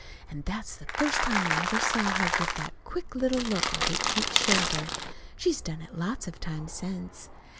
And that's the first time I ever saw her give that quick little look over each shoulder. She's done it lots of times since.